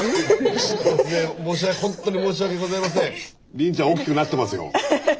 凜ちゃん大きくなってますよ。